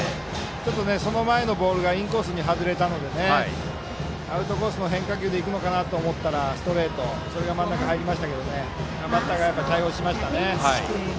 その前のボールがインコースに外れたのでアウトコースの変化球で行くのかなと思ったらストレートでそれが真ん中に入りましたがバッターがよく対応しました。